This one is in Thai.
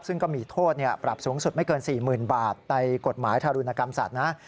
ซึ่งก็มีโทษปรับสูงสุดไม่เกิน๔๐๐๐บาทในกฎหมายทารุณกรรมสัตว์นะ